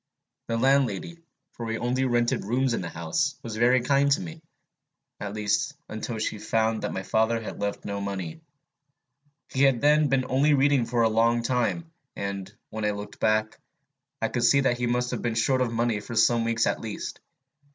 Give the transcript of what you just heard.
The landlady, for we only rented rooms in the house, was very kind to me, at least until she found that my father had left no money. He had then been only reading for a long time; and, when I looked back, I could see that he must have been short of money for some weeks at least.